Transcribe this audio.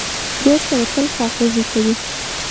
ورور سره تل خواخوږي کوې.